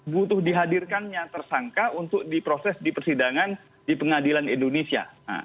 butuh dihadirkannya tersangka untuk diproses di persidangan di pengadilan indonesia